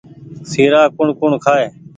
سيرآ ڪوٚڻ ڪوٚڻ کآئي